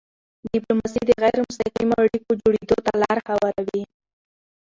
ډیپلوماسي د غیری مستقیمو اړیکو جوړېدو ته لاره هواروي.